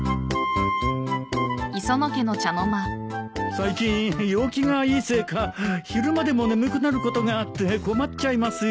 最近陽気がいいせいか昼間でも眠くなることがあって困っちゃいますよ。